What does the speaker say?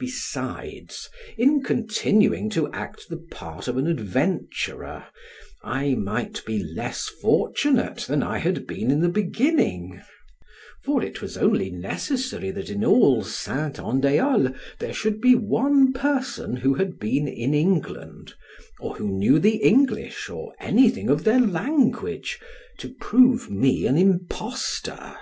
Besides, in continuing to act the part of an adventurer, I might be less fortunate than I had been in the beginning; for it was only necessary that in all Saint Andiol there should be one person who had been in England, or who knew the English or anything of their language, to prove me an impostor.